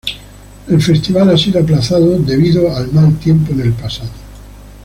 El festival ha sido aplazado debido al mal tiempo en el pasado.